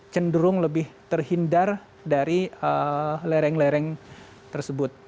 cenderung lebih terhindar dari lereng lereng tersebut